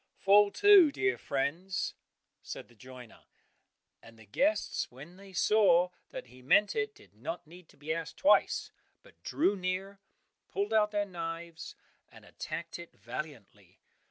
"Fall to, dear friends," said the joiner; and the guests when they saw that he meant it, did not need to be asked twice, but drew near, pulled out their knives and attacked it valiantly.